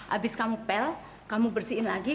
habis kamu pel kamu bersihin lagi